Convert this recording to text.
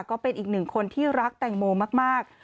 ก็เป็นอีกหนึ่งคนที่รักแตงโมมาก